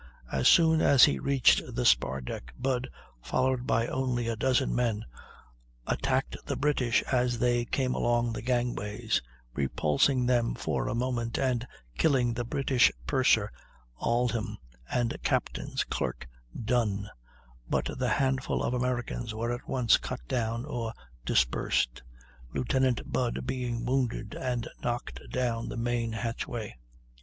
As soon as he reached the spar deck, Budd, followed by only a dozen men, attacked the British as they came along the gangways, repulsing them for a moment, and killing the British purser, Aldham, and captain's clerk, Dunn; but the handful of Americans were at once cut down or dispersed, Lieutenant Budd being wounded and knocked down the main hatchway.